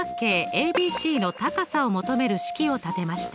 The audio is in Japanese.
ＡＢＣの高さを求める式を立てました。